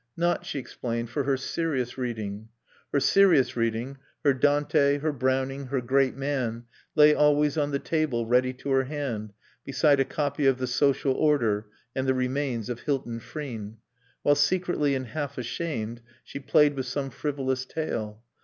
Not, she explained, for her serious reading. Her serious reading, her Dante, her Browning, her Great Man, lay always on the table ready to her hand (beside a copy of The Social Order and the Remains of Hilton Frean) while secretly and half ashamed she played with some frivolous tale.